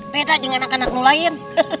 beda dengan anak anakmu lain